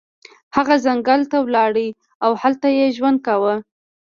هغه ځنګل ته لاړ او هلته یې ژوند کاوه.